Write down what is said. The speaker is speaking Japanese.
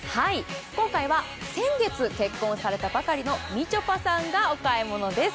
今回は先月結婚されたばかりのみちょぱさんがお買い物です。